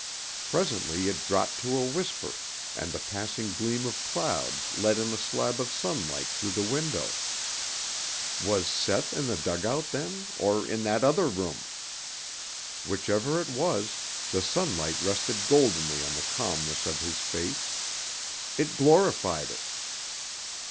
Presently it dropped to a whisper and the passing gleam of clouds let in a slab of sunlight through the window. Was Seth in the dugout then, or in that other room? Whichever it was, the sunlight rested goldenly on the calmness of his face. It glorified it.